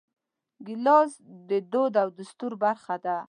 ګیلاس د دود او دستور برخه ده.